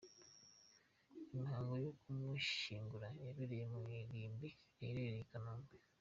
Imihango yo kumushyingura yabereye mu irimbi riherereye i Kanombe.